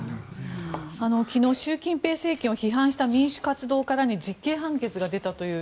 昨日習近平政権を批判した民主活動家らに実刑判決が出たという。